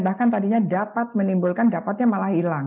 bahkan tadinya dapat menimbulkan dapatnya malah hilang